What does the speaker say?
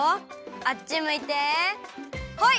あっちむいてホイ！